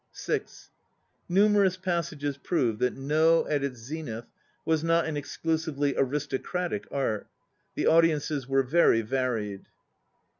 (6) Numerous passages prove that No at its zenith was not an exclusively aristocratic art. The audiences were very varied.